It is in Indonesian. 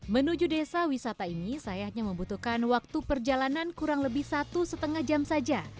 menuju desa wisata ini saya hanya membutuhkan waktu perjalanan kurang lebih satu lima jam saja